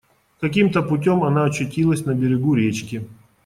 Каким-то путем она очутилась на берегу речки.